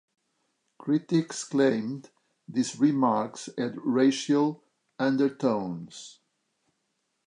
Critics claimed these remarks had racial undertones.